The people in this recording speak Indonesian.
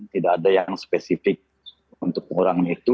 tidak ada yang spesifik untuk pengurangan itu